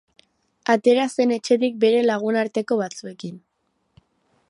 Atera zen etxetik bere lagunarteko batzuekin.